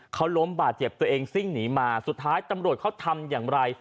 เขาล้มบาดเจ็บตัวเองซิ่งหนีมาสุดท้ายตำรวจเขาทำอย่างไร